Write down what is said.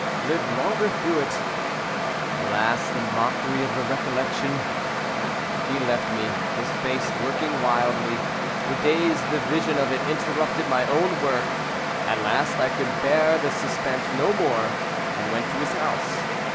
Live longer through it! Alas, the mockery of the recollection! He left me, his face working wildly. For days the vision of it interrupted my own work. At last, I could bear the suspense no more and went to his house.